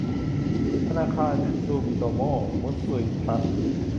ธนาคารซูมิโตโม มิตซุย ทรัสต์